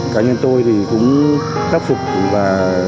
cá nhân tôi thì cũng khắc phục và